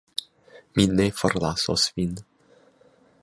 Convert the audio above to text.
Mi ne forlasos Vin.